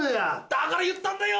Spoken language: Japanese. だから言ったんだよ。